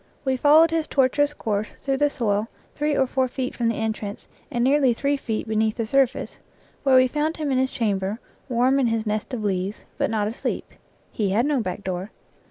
We followed his tortuous course through the soil three or four feet from the entrance and nearly three feet beneath the surface, where we found him in, his chamber, warm in his nest of leaves, but not asleep. He had no back door.